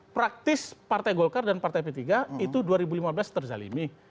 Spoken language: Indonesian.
praktis partai golkar dan partai p tiga itu dua ribu lima belas terzalimi